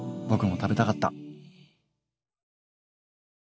僕も食べたかった。